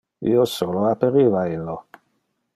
Io solo aperiva illo.